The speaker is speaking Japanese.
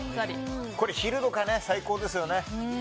これ、昼とか最高ですよね。